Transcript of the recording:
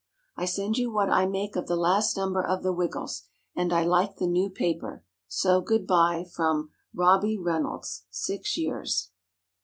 I send you what I make of the last number of the "Wiggles," and I like the new paper. So good by. From ROBBIE REYNOLDS (six years).